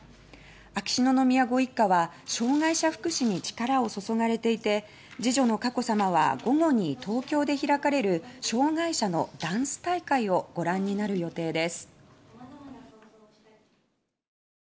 秋篠宮ご一家は障がい者福祉に力を注がれていて次女の佳子さまは午後に東京で開かれる障がい者のダンス大会をご覧になる予定です。